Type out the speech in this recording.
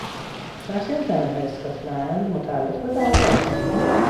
بخشی از زمینهای اسکاتلند متعلق به دربار است.